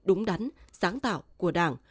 đúng đắn sáng tạo của đảng